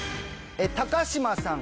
高島さん